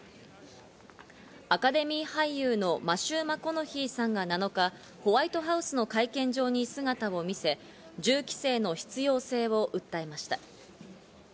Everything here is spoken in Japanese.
アカデミー俳優のマシュー・マコノヒーさんが７日、ホワイトハウスの会見場に姿を見せ、銃規制の必要性を訴えました。